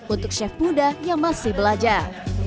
untuk chef muda yang masih belajar